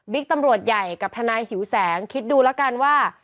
ตำรวจใหญ่กับทนายหิวแสงคิดดูแล้วกันว่า